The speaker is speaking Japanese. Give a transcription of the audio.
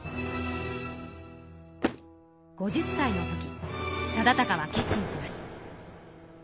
５０歳の時忠敬は決心します。